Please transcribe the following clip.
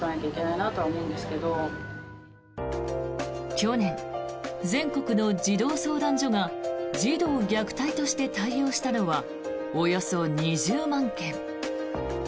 去年、全国の児童相談所が児童虐待として対応したのはおよそ２０万件。